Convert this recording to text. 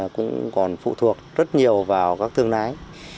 cũng còn phụ thuộc rất nhiều vào các thương lái